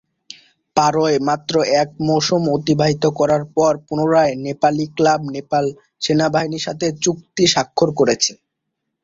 পারোয় মাত্র এক মৌসুম অতিবাহিত করার পর পুনরায় নেপালি ক্লাব নেপাল সেনাবাহিনীর সাথে চুক্তি স্বাক্ষর করেছেন।